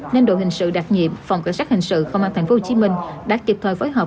nên đội hình sự đặc nhiệm phòng cảnh sát hình sự công an tp hcm đã kịp thời phối hợp